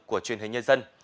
của truyền hình nhân dân